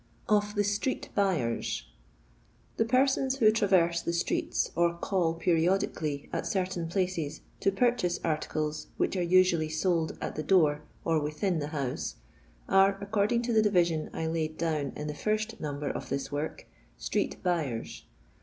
OF THE STREET BUYERS. Thi persons who traverse the streets, or call periodically at certain pUices to purchase articles which are usually sold at the door or within the house, are — according to the division I Uid down in the first number of this work — STRSix BirrBRS.